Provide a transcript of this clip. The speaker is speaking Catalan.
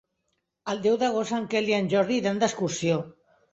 El deu d'agost en Quel i en Jordi iran d'excursió.